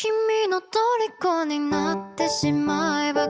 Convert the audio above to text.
ให้เขาดวชเอิบรับ